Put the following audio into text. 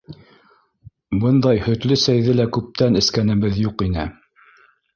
Бындай һөтлө сәйҙе лә күптән эскәнебеҙ юҡ ине.